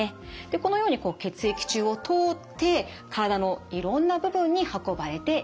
でこのように血液中を通って体のいろんな部分に運ばれていきます。